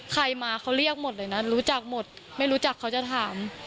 ใครมาเขาเรียกหมดเลยนะรู้จักหมดไม่รู้จักเขาจะถาม